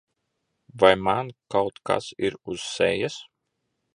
Vai man kaut kas ir uz sejas?